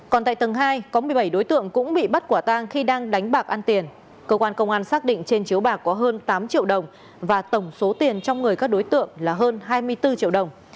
còn tại tầng hai có một mươi bảy đối tượng cũng bị bắt quả tang khi đang đánh bạc ăn tiền cơ quan công an xác định trên chiếu bạc có hơn tám triệu đồng và tổng số tiền trong người các đối tượng là hơn hai mươi bốn triệu đồng